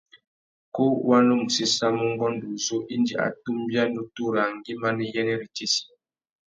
Kú wa nu mù séssamú ungôndô uzu indi a tumbia nutu râā ngüimá nà iyênêritsessi.